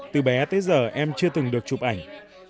từ bé tới giờ em chưa từng được chụp ảnh